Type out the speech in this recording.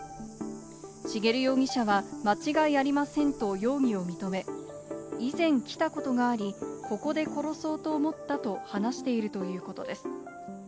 茂容疑者は間違いありませんと容疑を認め、以前来たことがあり、ここで殺そうと思ったと話しているということです。